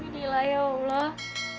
ini lah ya allah